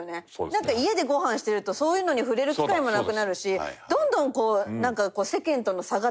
なんか家でご飯してるとそういうのに触れる機会もなくなるしどんどんこう世間との差ができてしまったり。